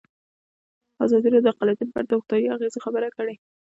ازادي راډیو د اقلیتونه په اړه د روغتیایي اغېزو خبره کړې.